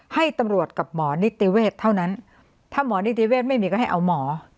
ให้ตำรวจกับหมอนิติเวทเท่านั้นถ้าหมอนิติเวศไม่มีก็ให้เอาหมอ